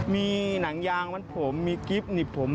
มีหนังยางมัดผมมีกริ๊บนิบผม